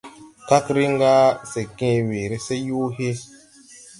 Kag rin gà se gęę weere se yoo hee.